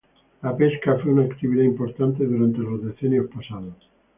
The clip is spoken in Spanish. La pesca fue una actividad importante durante los decenios pasados.